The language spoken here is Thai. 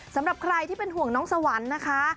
สำหรับใครที่เป็นห่วงน้องสวรรค์นะคะ